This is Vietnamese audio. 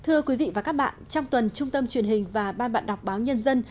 thưa quý vị và các bạn trong tuần trung tâm truyền hình và ban bạn đọc báo nhân dân